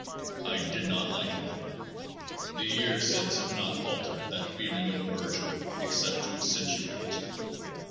I did not like him. The years since have not altered that feeling of aversion except to accentuate it.